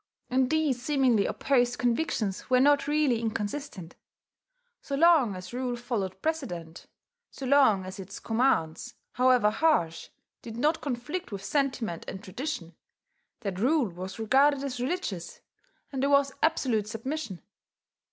And these seemingly opposed convictions were not really inconsistent. So long as rule followed precedent, so long as its commands, however harsh, did not conflict with sentiment and tradition, that rule was regarded as religious, and there was absolute submission.